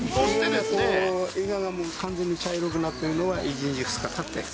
イガが完全に茶色くなっているのは１日、２日たったやつ。